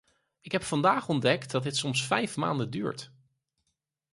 Ik heb vandaag ontdekt dat dit soms vijf maanden duurt.